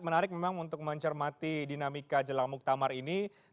menarik memang untuk mencermati dinamika jelang muktamar ini